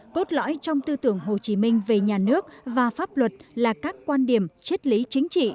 cốt lõi trong tư tưởng hồ chí minh về nhà nước và pháp luật là các quan điểm chất lý chính trị